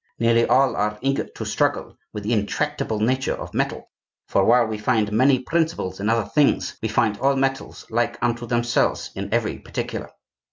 Nearly all are eager to struggle with the intractable nature of metal, for while we find many principles in other things, we find all metals like unto themselves in every particular.